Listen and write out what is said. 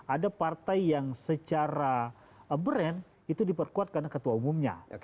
ada partai yang secara brand itu diperkuat karena ketua umumnya